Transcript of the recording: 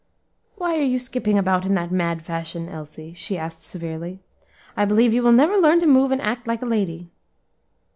"Why are you skipping about in that mad fashion, Elsie?" she asked, severely; "I believe you will never learn to move and act like a lady."